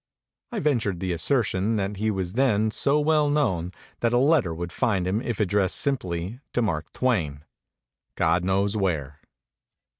I ventured the asser tion that he was then so well known that a let ter would find him if addressed simply to "Mark Twain. God knows where."